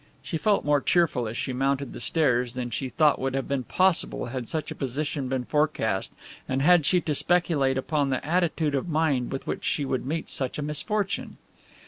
She felt more cheerful as she mounted the stairs than she thought would have been possible had such a position been forecast and had she to speculate upon the attitude of mind with which she would meet such a misfortune.